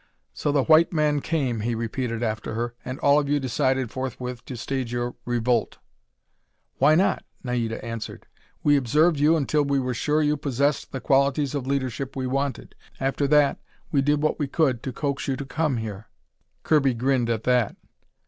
"So the white man came," he repeated after her, "and all of you decided forthwith to stage your revolt." "Why not?" Naida answered. "We observed you until we were sure you possessed the qualities of leadership we wanted. After that, we did what we could to coax you to come here." Kirby grinned at that.